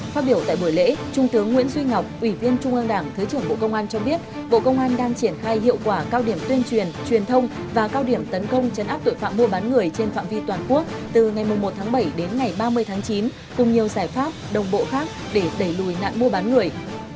phát biểu tại buổi lễ trung tướng nguyễn duy ngọc ủy viên trung ương đảng thứ trưởng bộ công an cho biết bộ công an đang triển khai hiệu quả cao điểm tuyên truyền truyền thông và cao điểm tấn công chấn áp tội phạm mua bán người trên phạm vi toàn quốc từ ngày một tháng bảy đến ngày ba mươi tháng chín cùng nhiều giải pháp đồng bộ khác để đẩy lùi nạn mua bán người